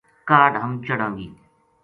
کاہڈ ہم چڑھاں گی ‘‘